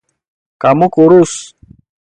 Kamu kurus.